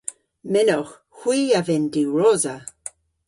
Mynnowgh. Hwi a vynn diwrosa.